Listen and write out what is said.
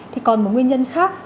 thì còn một nguyên nhân khác